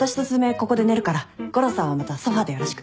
ここで寝るから悟郎さんはまたソファでよろしく。